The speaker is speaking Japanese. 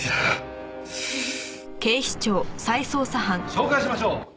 紹介しましょう。